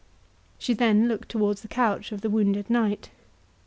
She then looked towards the couch of the wounded knight.